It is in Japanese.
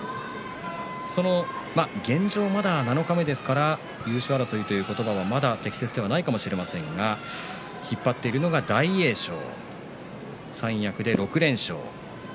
そんな優勝争いの中でなっていくのか現状、七日目ですから優勝争いという言葉もまだ適切ではないかもしれませんが引っ張っているのが大栄翔三役で６連勝。